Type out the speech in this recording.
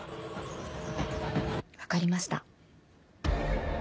分かりました。